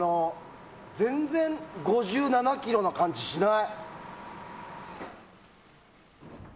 全然５７ｋｇの感じしない。